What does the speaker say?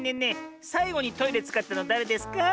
さいごにトイレつかったのだれですか？